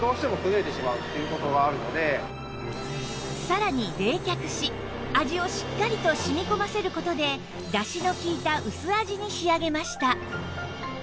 さらに冷却し味をしっかりと染み込ませる事でだしの利いた薄味に仕上げました